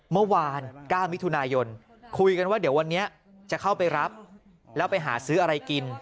เมื่อวาน๙มิถุนายนคุยกันว่าเดี๋ยววันนี้จะเข้าไปรับแล้วไปหาซื้ออะไรกิน